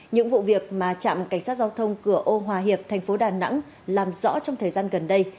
những vụ việc mà trạm cảnh sát giao thông cửa ô hòa hiệp thành phố đà nẵng làm rõ trong thời gian gần đây